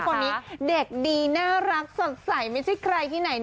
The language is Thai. คนนี้เด็กดีน่ารักสดใสไม่ใช่ใครที่ไหนนะ